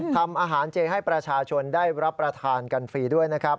ทำอาหารเจให้ประชาชนได้รับประทานกันฟรีด้วยนะครับ